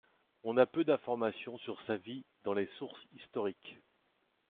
On a peu d’informations sur sa vie dans les sources historiques.